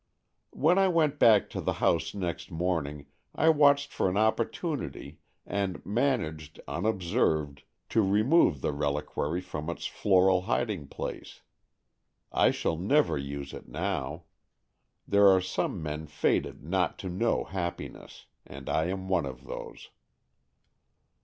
"When I went back to the house next morning I watched for an opportunity, and managed, unobserved, to remove the reliquary from its floral hiding place. I shall never use it now. There are some men fated not to know happiness, and I am of those."